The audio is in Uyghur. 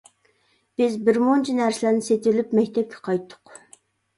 بىز بىر مۇنچە نەرسىلەرنى سېتىۋېلىپ مەكتەپكە قايتتۇق.